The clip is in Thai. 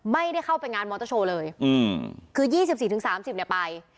ไม่ได้เข้าไปงานมอเตอร์โชว์เลยอืมคือยี่สิบสี่ถึงสามสิบเนี่ยไป